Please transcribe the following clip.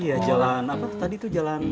iya jalan apa tadi itu jalan